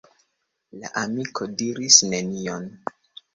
La amiko diris nenion.